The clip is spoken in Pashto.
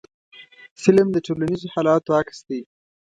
فلم د ټولنیزو حالاتو عکس دی